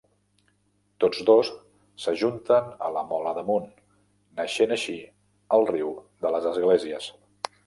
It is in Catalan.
Tots dos s'ajunten a la Mola d'Amunt, naixent així el riu de les Esglésies.